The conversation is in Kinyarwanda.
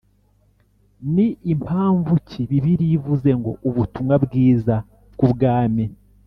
Ni impamvu ki Bibiliya ivuze ngo: Ubutumwa bwiza bw‟Ubwami?